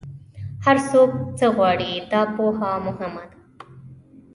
هر څوک څه غواړي، دا پوهه مهمه ده.